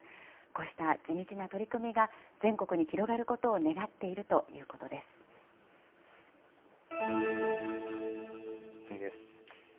こうした地道な取り組みが、全国に広がることを願っているという次です。